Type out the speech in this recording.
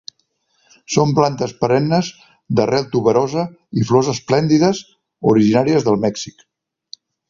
Són plantes perennes d'arrel tuberosa i flors esplèndides, originàries del Mèxic.